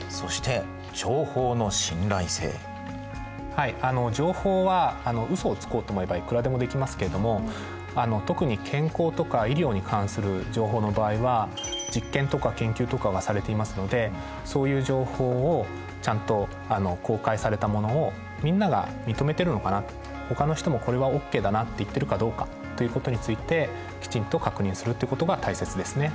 はい情報はうそをつこうと思えばいくらでもできますけれども特に健康とか医療に関する情報の場合は実験とか研究とかがされていますのでそういう情報をちゃんと公開されたものをみんなが認めてるのかなほかの人もこれはＯＫだなって言ってるかどうかということについてきちんと確認するっていうことが大切ですね。